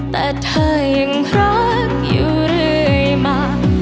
แต่เธอยังรักอยู่เรื่อยมา